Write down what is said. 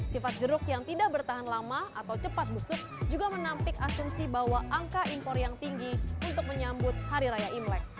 sifat jeruk yang tidak bertahan lama atau cepat busuk juga menampik asumsi bahwa angka impor yang tinggi untuk menyambut hari raya imlek